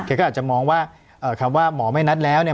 อาจจะมองว่าคำว่าหมอไม่นัดแล้วเนี่ย